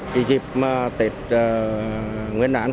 vì dịp tết nguyên đoàn kết